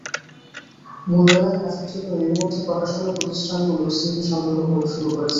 বইমেলায় কাজের জন্য এরই মধ্যে প্রকাশনা প্রতিষ্ঠানগুলো সিভি সংগ্রহ শুরু করেছে।